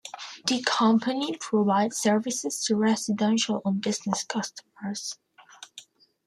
The company provides services to residential and business customers.